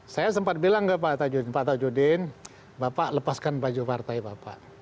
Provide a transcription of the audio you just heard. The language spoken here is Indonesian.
saya sempat bilang ke pak tajudin bapak lepaskan baju partai bapak